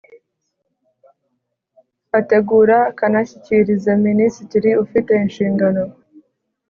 ategura akanashyikiriza Minisitiri ufite inshingano